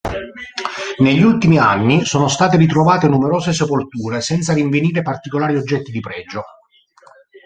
Negli ultimi anni sono state ritrovate numerose sepolture senza rinvenire particolari oggetti di pregio.